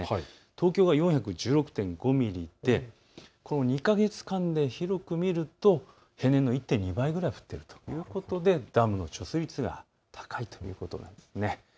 東京は４１６．５ミリでこの２か月間で広く見ると平年の１．２倍ぐらい降っているということでダムの貯水率が高いということなんです。